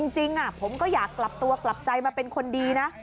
จริงผมก็อยากกลับตัวกลับใจมาเป็นคนดีนะ